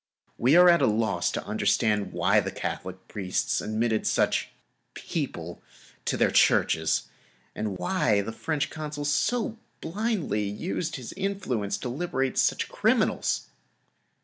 We are at a loss to understand why the Catholic priests admitted such people to their churches, and why the French Consul so blindly used his influence to liberate such criminals.